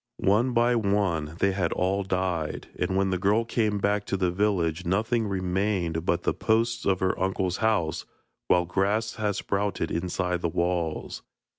One by one they had all died, and when the girl came back to the village nothing remained but the posts of her uncle's house, while grass had sprouted inside the walls.